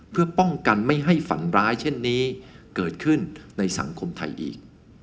เพื่อป้องกันไม่ให้ฝันร้ายเช่นนี้เกิดขึ้นในสังคมไทยอีก